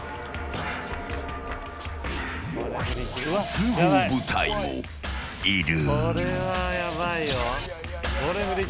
通報部隊もいる。